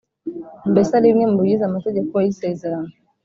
mbese ari bimwe mu bigize Amategeko y’ isezerano